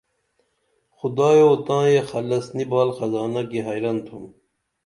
خدایو تاں یہ خلس نی بال حزانہ کی حیرن تُھم